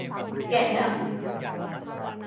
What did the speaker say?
แกะดำ